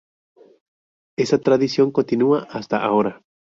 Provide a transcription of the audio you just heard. Esa tradición continúa hasta ahora.